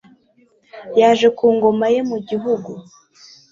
yaje ku ngoma ye mu gihugu